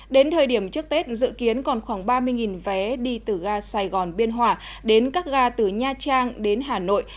đến thời điểm trước tết dự kiến còn khoảng ba mươi vé đi từ ga sài gòn biên hòa đến các ga từ nha trang đến hà nội